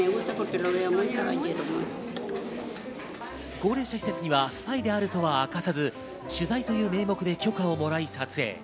高齢者施設にはスパイがあるとは明かさず取材という名目で許可をもらい撮影。